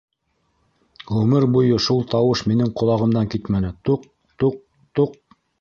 Ғүмер буйы шул тауыш минең ҡолағымдан китмәне: туҡ... туҡ... туҡ...